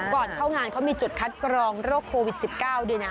ก่อนเข้างานเขามีจุดคัดกรองโรคโควิด๑๙ด้วยนะ